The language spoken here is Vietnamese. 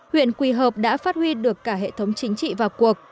huyện quỳ hợp đã phát huy được cả hệ thống chính trị vào cuộc